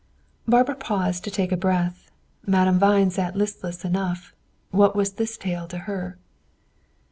Barbara paused to take breath, Madame Vine sat listless enough. What was this tale to her?